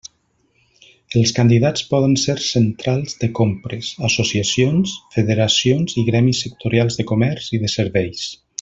Els candidats poden ser centrals de compres, associacions, federacions i gremis sectorials de comerç i de serveis.